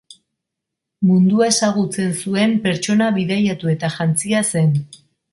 Mundua ezagutzen zuen pertsona bidaiatu eta jantzia zen.